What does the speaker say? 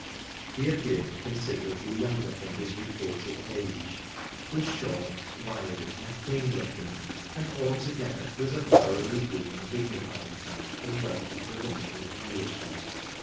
He appeared considerably younger than his reported age, was short, wiry, and clean looking, and altogether was a thoroughly good and dignified type of wealthy provincial Englishman.